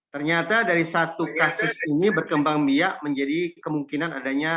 ternyata dari satu kasus ini berkembang biak menjadi kemungkinan adanya